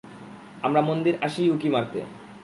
আমরা মন্দিরে আসিই উঁকি মারতে।